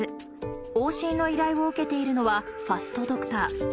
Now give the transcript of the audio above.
往診の依頼を受けているのは、ファストドクター。